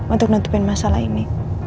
untuk nutupin masalah ini